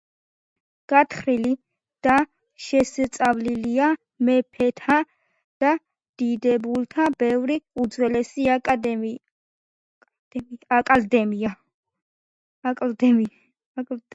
გათხრილი და შესწავლილია მეფეთა და დიდებულთა ბევრი უძველესი აკლდამა.